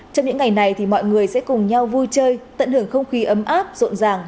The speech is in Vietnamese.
trong những ngày này thì mọi người sẽ cùng nhau vui chơi tận hưởng không khí ấm áp rộn ràng